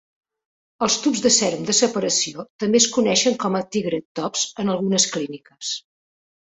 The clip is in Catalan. Els tubs de sèrum de separació també es coneixen com "tigre-tops" en algunes clíniques.